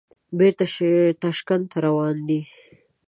بېرته تاشکند ته روان دي.